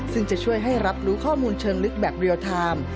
ซึ่งจะช่วยให้รับรู้ข้อมูลเชิงลึกแบบเรียลไทม์